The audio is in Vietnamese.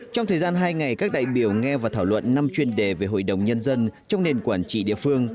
trong thời gian hai ngày các đại biểu nghe và thảo luận năm chuyên đề về hội đồng nhân dân trong nền quản trị địa phương